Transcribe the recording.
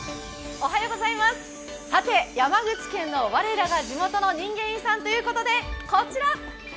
山口県の我らが地元の人間遺産ということで、こちら！